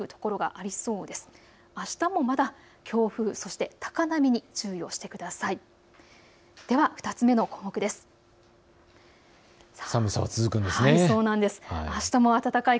あしたもまだ強風、そして高波に注意をしてください。